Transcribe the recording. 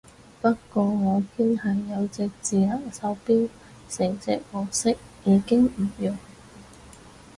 不過我堅係有隻智能手錶，成隻黃色已經唔用